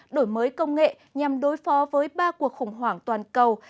đổi mới công nghệ nhằm đối phó với ba cuộc khủng hoảng toàn cầu